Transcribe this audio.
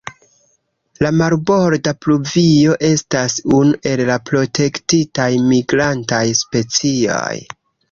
La Marborda pluvio estas unu el la protektitaj migrantaj specioj.